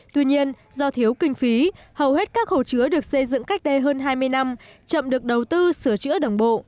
tuy nhiên do thiếu kinh phí hầu hết các hồ chứa được xây dựng cách đây hơn hai mươi năm chậm được đầu tư sửa chữa đồng bộ